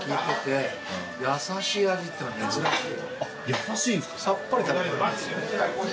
優しいんですか？